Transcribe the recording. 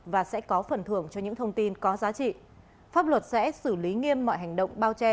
và sẽ có phần thưởng cho những thông tin có giá trị pháp luật sẽ xử lý nghiêm mọi hành động bao che